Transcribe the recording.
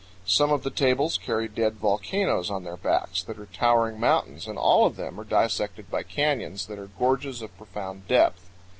Some of the tables carry dead volcanoes on their backs that are towering mountains, and all of them are dissected by canyons that are gorges of profound depth.